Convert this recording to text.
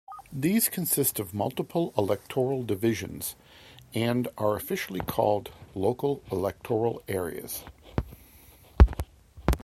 These consist of multiple electoral divisions, and are officially called "local electoral areas".